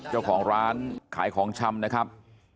เจ้าของร้านขายของชำนะครับ